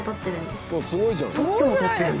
すごいじゃん！